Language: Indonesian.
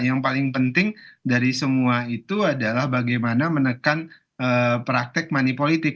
yang paling penting dari semua itu adalah bagaimana menekan praktek manipolitik